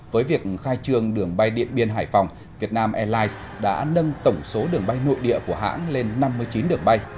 với việc khai trương đường bay điện biên hải phòng việt nam airlines đã nâng tổng số đường bay nội địa của hãng lên năm mươi chín đường bay